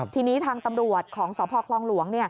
ทีนี้ทางตำรวจของสพคลองหลวง